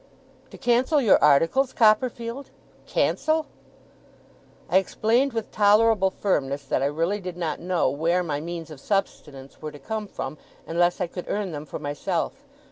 'To cancel your articles, Copperfield? Cancel?' I explained with tolerable firmness, that I really did not know where my means of subsistence were to come from, unless I could earn them for myself.